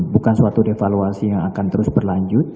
bukan suatu evaluasi yang akan terus berlanjut